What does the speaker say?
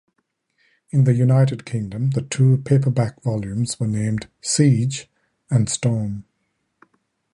In the United Kingdom the two paperback volumes were named "Siege" and "Storm".